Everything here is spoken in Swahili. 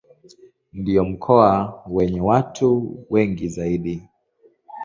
Ndio mkoa wenye watu wengi zaidi.